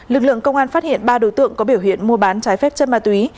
lực lượng công an phát hiện ba đối tượng có biểu hiện mua bán trái phép chất ma túy